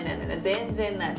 全然ない私。